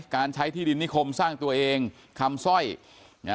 การใช้ที่ดินนิคมสร้างตัวเองคำสร้อยนะ